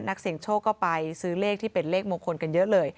นักเสียงโชคก็ไปซื้อเลขที่เป็นเลขมงคลกันเยอะเลย